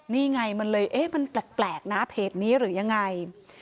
นี่ไงมันเลยเอ๊ะมันแปลกนะเพจนี้หรือยังไง